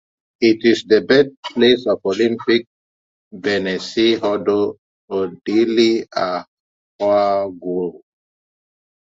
It is the birthplace of Olympic Beninese hurdler Odile Ahouanwanou.